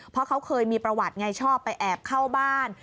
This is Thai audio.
เพราะเขาเคยมีประวัติไงชอบไปแอบเข้าบ้าน